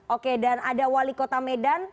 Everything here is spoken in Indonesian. oke dan ada wali kota medan